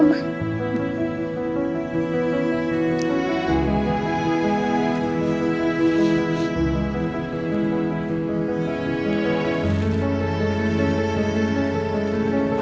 mama sudah senang